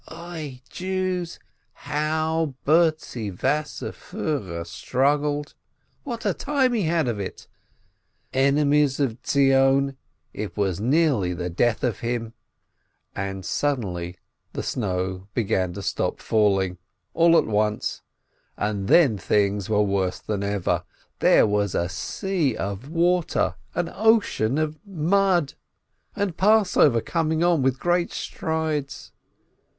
Oi, Jews, how Bertzi Wasserfiihrer struggled, what a time he had of it ! Enemies of Zion, it was nearly the death of him ! And suddenly the snow began to stop falling, all at once, and then things were worse than ever — there was a sea of water, an ocean of mud. And Passover coming on with great strides!